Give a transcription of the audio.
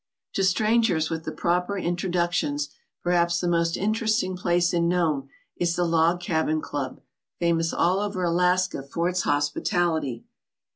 To strangers with the proper introductions perhaps the most interesting place in Nome is the Log Cabin Club, famous all over Alaska for its hospitality.